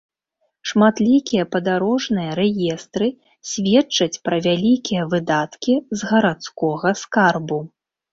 Шматлікія падарожныя рэестры сведчаць пра вялікія выдаткі з гарадскога скарбу.